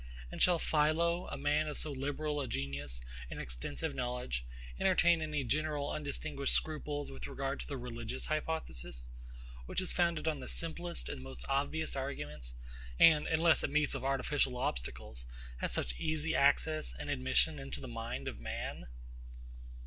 And shall PHILO, a man of so liberal a genius and extensive knowledge, entertain any general undistinguished scruples with regard to the religious hypothesis, which is founded on the simplest and most obvious arguments, and, unless it meets with artificial obstacles, has such easy access and admission into the mind of man?